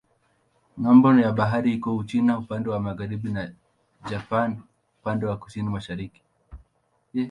Ng'ambo ya bahari iko Uchina upande wa magharibi na Japani upande wa kusini-mashariki.